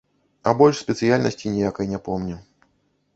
А больш спецыяльнасці ніякай не помню.